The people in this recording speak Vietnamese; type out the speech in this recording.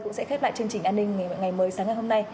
cũng sẽ khép lại chương trình an ninh ngày mới sáng ngày hôm nay